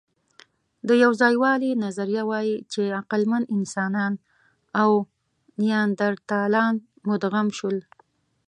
د یوځایوالي نظریه وايي، چې عقلمن انسانان او نیاندرتالان مدغم شول.